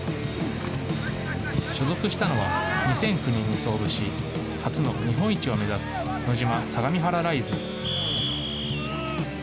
所属したのは、２００９年に創部し、初の日本一を目指すノジマ相模原ライズ。